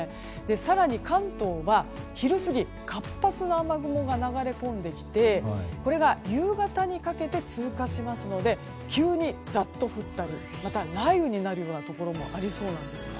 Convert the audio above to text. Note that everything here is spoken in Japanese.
更に関東は昼過ぎ活発な雨雲が流れ込んできてこれが夕方にかけて通過しますので急にざっと降ったり雷雨になるようなところもありそうなんです。